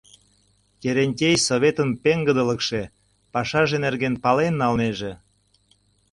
Терентей советын пеҥгыдылыкше, пашаже нерген пален налнеже.